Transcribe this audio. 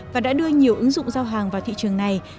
và đã đưa nhiều ứng dụng giao hàng vào thị trường này